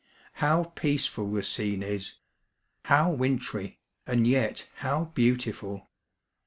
How peaceful the scene is; how wintry, and yet how beautiful